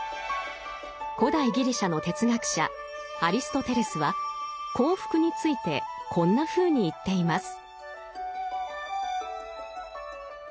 古代ギリシャの哲学者アリストテレスは幸福についてこんなふうに言っています。